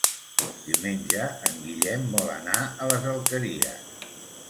Diumenge en Guillem vol anar a les Alqueries.